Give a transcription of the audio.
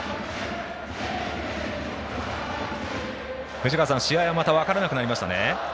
藤川さん、試合はまた分からなくなりましたね。